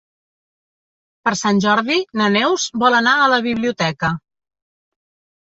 Per Sant Jordi na Neus vol anar a la biblioteca.